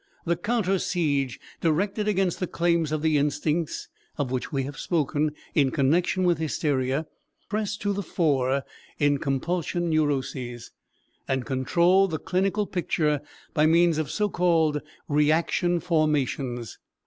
The counter siege directed against the claims of the instincts, of which we have spoken in connection with hysteria, press to the fore in compulsion neuroses, and control the clinical picture by means of so called "reaction formations."